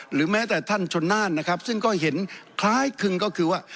หรือแม้แต่ท่านชนน่านนะครับซึ่งก็เห็นคล้ายคึงก็คือว่า